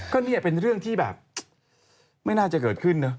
ก็เนี่ยเป็นเรื่องที่แบบไม่น่าจะเกิดขึ้นนะ